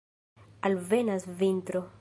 Alvenas vintro.